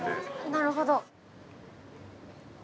なるほど。